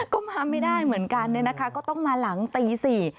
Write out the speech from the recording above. ก็มาไม่ได้เหมือนกันเนี่ยนะคะก็ต้องมาหลังตีสี่